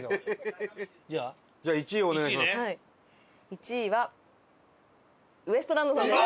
１位はウエストランドさんです。